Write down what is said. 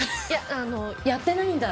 やってないんだ。